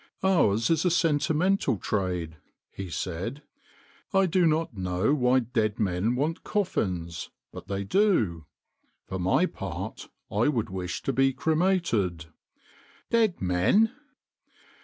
" Ours is a sentimental trade," he said, " I do not know why dead men want coffins, but they do. For my part I would wish to be cremated." " Dead men